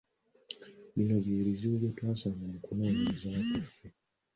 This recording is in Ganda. Bino bye bizibu bye twasanga mu kunoonyereza kwaffe.